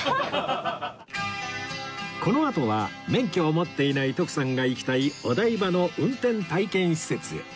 このあとは免許を持っていない徳さんが行きたいお台場の運転体験施設へ